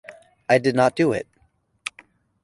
I did not do it.